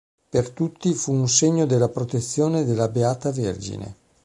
Per tutti fu un segno della protezione della beata vergine.